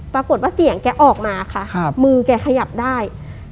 ปรากฏว่าเสียงแกออกมาค่ะมือแกขยับได้